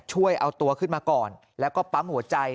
ช่วยเอาตัวขึ้นมาก่อนแล้วก็ปั๊มหัวใจ